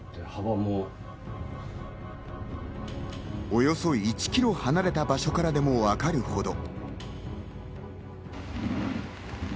およそ１キロ離れた場所からでもわかるほど。